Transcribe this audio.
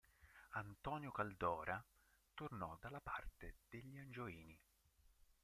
Antonio Caldora tornò dalla parte degli Angioini.